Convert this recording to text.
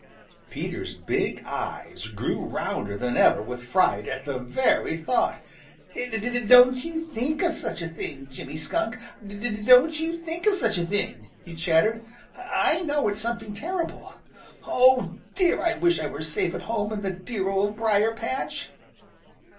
Peter's big eyes grew rounder than ever with fright at the very thought. "D d don't you think of such a thing, Jimmy Skunk I D d don't y y you think of such a thing!" he chattered. "I know it's something terrible. Oh, dear! I wish I were safe at home in the dear Old Briar patch."